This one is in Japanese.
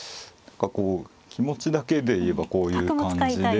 こう気持ちだけで言えばこういう感じで。